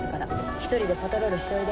１人でパトロールしておいで。